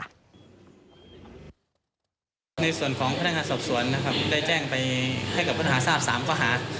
ในส่วนของพนักงานสอบสวนได้แจ้งไปให้กับปัญหาทราบ๓กว่าฮา